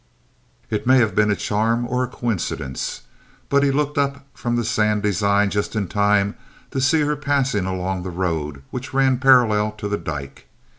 It may have been a charm or a coincidence, but he looked up from the sand design just in time to see her passing along the road which ran parallel to the dyke.